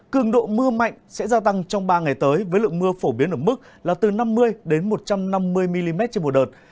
cường độ mưa mạnh sẽ gia tăng trong ba ngày tới với lượng mưa phổ biến ở mức là từ năm mươi đến một trăm năm mươi mm trên một đợt